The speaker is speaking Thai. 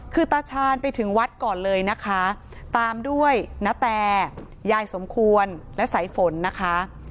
คือตาชาญไปถึงวัดก่อนเลยนะคะตามด้วยณแตยายสมควรและสายฝนนะคะ